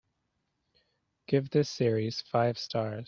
Give this series five stars.